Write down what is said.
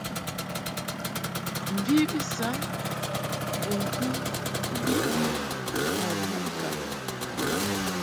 Mvi bi saŋ bɨŋkɨ biʼni ma buʼ ŋkaʼ.